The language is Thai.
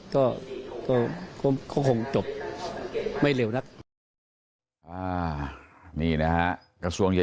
ก็คงจบไม่เร็วนะครับ